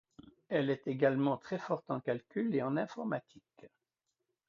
Elle est également très forte en calcul et en informatique.